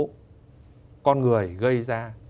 số con người gây ra